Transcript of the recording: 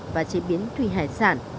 và chế biến thủy hải sản